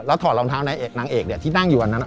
แล้วถอดลองเท้านางเอกที่นั่งอยู่อันนั้น